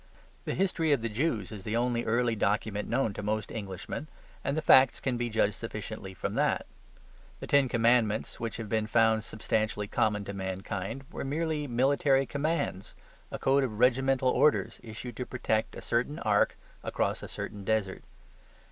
The history of the Jews is the only early document known to most Englishmen, and the facts can be judged sufficiently from that. The Ten Commandments which have been found substantially common to mankind were merely military commands; a code of regimental orders, issued to protect a certain ark across a certain desert.